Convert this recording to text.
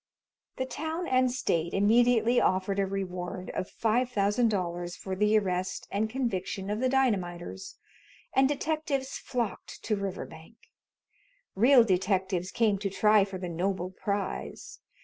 The town and State immediately offered a reward of five thousand dollars for the arrest and conviction of the dynamiters, and detectives flocked to Riverbank. Real detectives came to try for the noble prize.